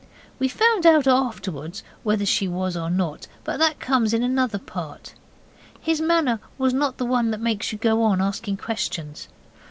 We found out afterwards whether she was or not, but that comes in another part. His manner was not the one that makes you go on asking questions.